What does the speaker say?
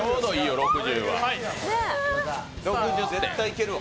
６０絶対いけるわ。